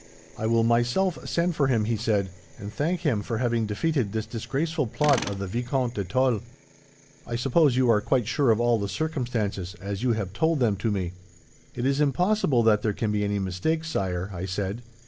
"'I will myself send for him,' he said, 'and thank him for having defeated this disgraceful plot of the Vicomte de Tulle. I suppose you are quite sure of all the circumstances, as you have told them to me?' "'It is impossible that there can be any mistake, Sire,' I said.